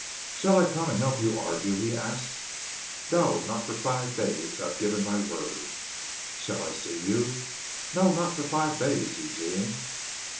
"Shall I come and help you argue?" he asked. "No, not for five days. I have given my word." "Shall I see you?" "No, not for five days, Eugene."